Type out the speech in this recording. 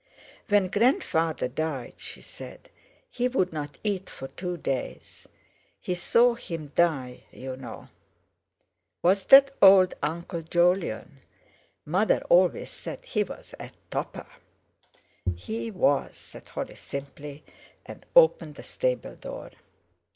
"When grandfather died," she said, "he wouldn't eat for two days. He saw him die, you know." "Was that old Uncle Jolyon? Mother always says he was a topper." "He was," said Holly simply, and opened the stable door.